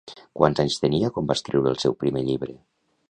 Quants anys tenia quan va escriure el seu primer llibre?